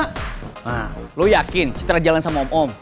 hah lo yakin citra jalan sama om om